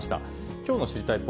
きょうの知りたいッ！